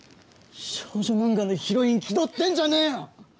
少女漫画のヒロイン気取ってんじゃねぇよ！